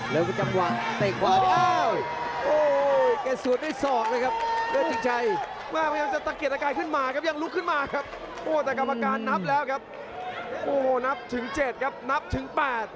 และทางด้านล่าง